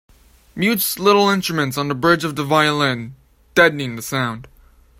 Mutes little instruments on the bridge of the violin, deadening the sound.